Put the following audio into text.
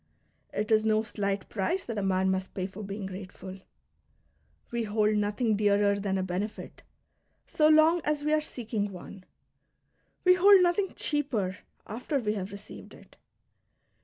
It is no slight price that a man must pay for being grate ful. We hold nothing dearer than a benefit, so long as we ai'e seeking one ; we hold nothing cheaper after we have received it.